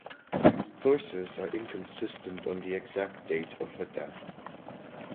Sources are inconsistent on the exact date of her death.